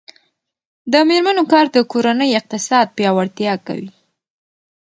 د میرمنو کار د کورنۍ اقتصاد پیاوړتیا کوي.